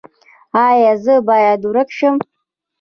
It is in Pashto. ایا زه باید ورک شم؟